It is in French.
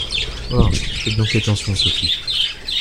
Oh ! faites donc attention, Sophie !